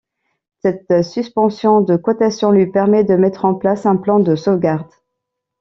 Cette suspension de cotation lui permet de mettre en place un plan de sauvegarde.